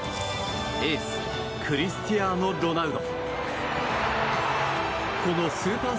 エースクリスティアーノ・ロナウド。